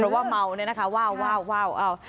เพราะว่าเมาเนี่ยนะคะว่าว้าว